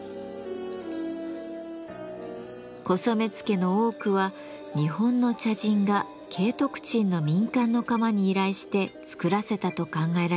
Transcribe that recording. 古染付の多くは日本の茶人が景徳鎮の民間の窯に依頼して作らせたと考えられています。